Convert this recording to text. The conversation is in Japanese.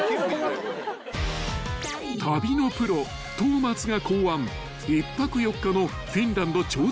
［旅のプロ東松が考案１泊４日のフィンランド超絶